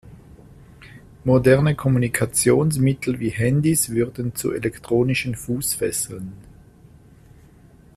Moderne Kommunikationsmittel wie Handys würden zu elektronischen Fußfesseln.